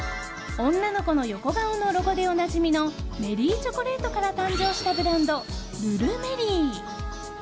女の子の横顔のロゴでおなじみのメリーチョコレートから誕生したブランドＲＵＲＵＭＡＲＹ’Ｓ。